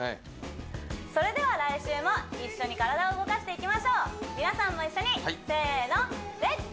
それでは来週も一緒に体を動かしていきましょう皆さんも一緒にせの「レッツ！